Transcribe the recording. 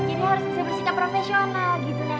jadi harus bisa bersikap profesional gitu nek